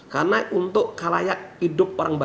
karena untuk kalayak hidup orang barat